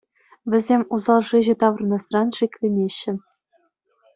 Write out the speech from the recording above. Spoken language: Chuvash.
Вӗсем усал шыҫӑ таврӑнасран шикленеҫҫӗ.